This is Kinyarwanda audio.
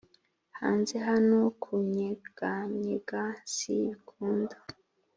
hanze hano kunyeganyega si bikunda